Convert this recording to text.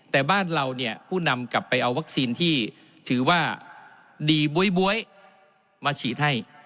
แต่บ้านเราเนี่ยผู้นำกลับไปเอาวัคซีนที่ถือว่าดีบ๊วยมาฉีดให้